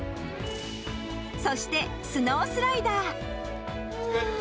そしてスノースライダー。